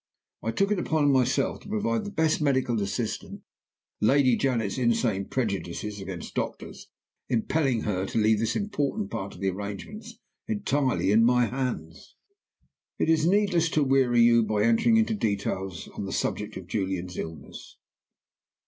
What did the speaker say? I took it on myself to provide the best medical assistance, Lady Janet's insane prejudices against doctors impelling her to leave this important part of the arrangements entirely in my hands. "It is needless to weary you by entering into details on the subject of Julian's illness.